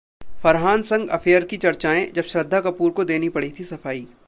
फरहान संग अफेयर की चर्चाएं, जब श्रद्धा कपूर को देनी पड़ी थी सफाई